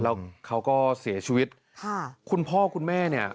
แล้วเขาก็เสียชีวิตค่ะคุณพ่อคุณแม่เนี่ย